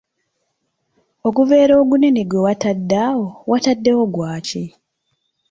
Oguveera ogunene gwe watadde awo, wataddewo gwaki?